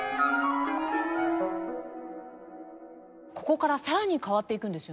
ここからさらに変わっていくんですよね？